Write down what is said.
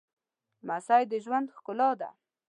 لمسی د ژوند ښکلا ده